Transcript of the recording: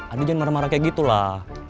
adi jangan marah marah kayak gitu lah